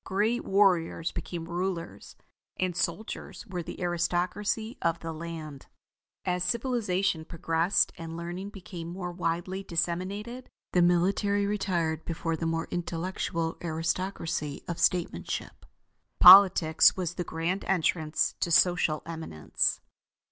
Great warriors became rulers, and soldiers were the aristocracy of the land. As civilization progressed and learning became more widely disseminated, the military retired before the more intellectual aristocracy of statemanship. Politics was the grand entrance to social eminence.